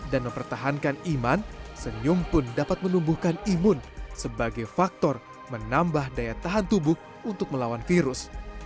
dan mempertahankan iman senyum pun dapat menumbuhkan imun sebagai faktor menambah daya tahan tubuh untuk melawan virus